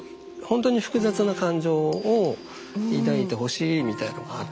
ほんとに複雑な感情を抱いてほしいみたいのがあって。